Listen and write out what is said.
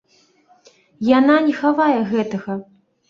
Яна не хавае гэтага.